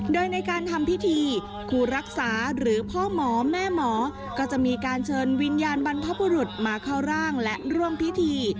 โดยในการทำพิธีครูรักษาหรือพ่อหมอแม่หมอก็จะมีการเชิญวิญญาณบรรพบุรุษมาเข้าร่างและร่วมพิธี